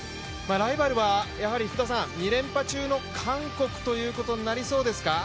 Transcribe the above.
ライバルはやはり、２連覇中の韓国ということになりそうですか？